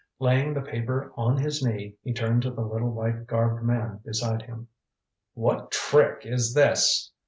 Laying the paper on his knee, he turned to the little white garbed man beside him. "What trick is this?"